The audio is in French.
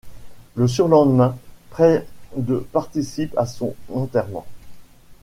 Le surlendemain, près de participent à son enterrement.